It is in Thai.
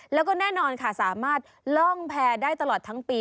แล้วก็แน่นอนค่ะสามารถล่องแพรได้ตลอดทั้งปี